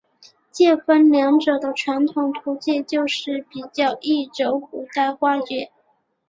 介分两者的传统图解就似比较一轴古代画卷。